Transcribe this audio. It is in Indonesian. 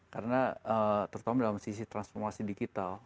karena terutama dalam sisi transformasi digital